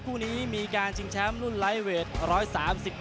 คู่นี้มีการชิงแชมป์รุ่นไรเวส